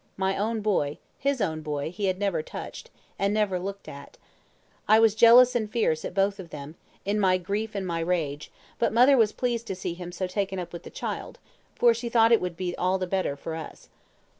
My own boy his own boy he had never touched, and never looked at. I was jealous and fierce at both of them, in my grief and my rage; but mother was pleased to see him so taken up with the child, for she thought it would be all the better for us.